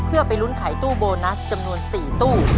เพื่อไปลุ้นขายตู้โบนัสจำนวน๔ตู้